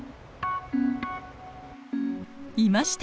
いました！